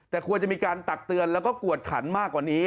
แต่ควรจะมีการตักเตือนแล้วก็กวดขันมากกว่านี้